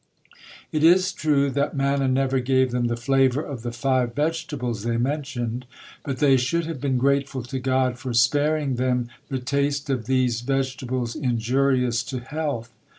It is true that manna never gave them the flavor of the five vegetables they mentioned, but they should have been grateful to God for sparing them the taste of these vegetables injurious to health.